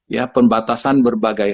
ya pembatasan berbagai